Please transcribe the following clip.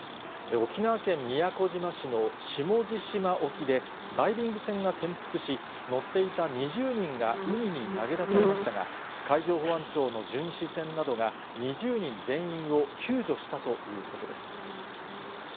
沖縄県宮古島市の下地島沖で、ダイビング船が転覆し、乗っていた２０人が海に投げ出されましたが、海上保安庁の巡視船などが２０人全員を救助したということです。